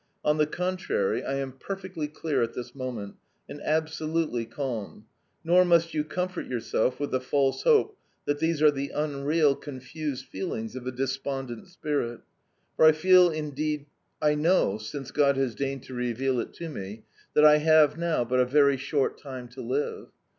On the contrary, I am perfectly clear at this moment, and absolutely calm. Nor must you comfort yourself with the false hope that these are the unreal, confused feelings of a despondent spirit, for I feel indeed, I know, since God has deigned to reveal it to me that I have now but a very short time to live.